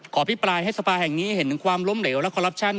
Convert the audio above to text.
อภิปรายให้สภาแห่งนี้เห็นถึงความล้มเหลวและคอลลับชั่น